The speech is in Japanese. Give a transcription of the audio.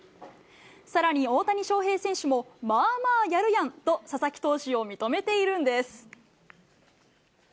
さらに大谷翔平選手も、まあまあやるやんと、佐々木投手を認めているんです。